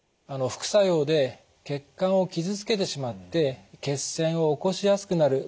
副作用で血管を傷つけてしまって血栓を起こしやすくなる場合があります。